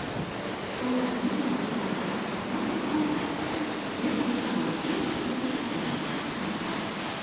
そんな事務所代表が、なぜ今回ユチョンさんを提訴する事態に至ったのか。